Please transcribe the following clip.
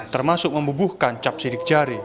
termasuk membubuhkan cap sidik jari